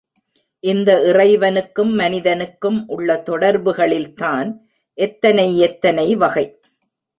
இந்த இறைவனுக்கும் மனிதனுக்கும் உள்ள தொடர்புகளில்தான் எத்தனை எத்தனைவகை.